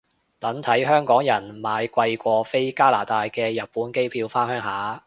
等睇香港人買貴過飛加拿大嘅日本機票返鄉下